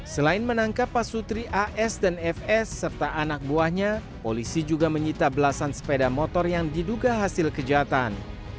selain menangkap pasutri as dan fs serta anak buahnya polisi juga menyita belasan sepeda motor yang diduga hasil kejahatan